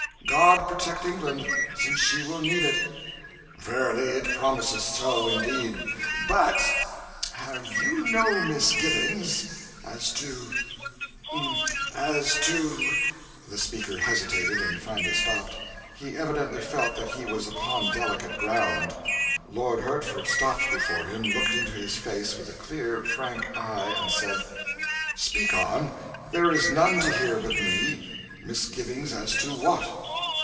God protect England, since she will need it!" "Verily it promiseth so, indeed. But ... have you no misgivings as to ... as to ..." The speaker hesitated, and finally stopped. He evidently felt that he was upon delicate ground. Lord Hertford stopped before him, looked into his face with a clear, frank eye, and said "Speak on there is none to hear but me. Misgivings as to what?"